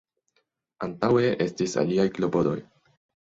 Antaŭe estis aliaj klopodoj.